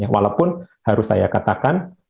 walaupun harus saya katakan